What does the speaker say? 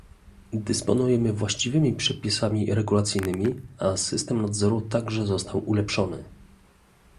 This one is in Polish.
Dysponujemy właściwymi przepisami regulacyjnymi, a system nadzoru także został ulepszony